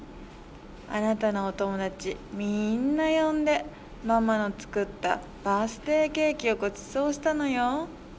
あなたのおともだちみんなよんで、ママのつくったバースデイケーキをごちそうしたのよ』」。